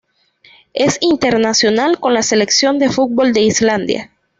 Es internacional con la selección de fútbol de Islandia.